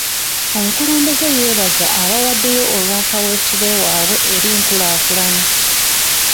Omukulembeze yeebaza abaawaddeyo olwa kaweefube waabwe eri nkulaakulana.